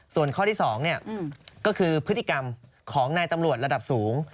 ส่วนข้อที่๒ก็คือพฤติกรรมของนายตำรวจระดับสูง